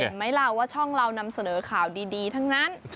ไหมล่ะว่าช่องเรานำเสนอข่าวดีทั้งนั้น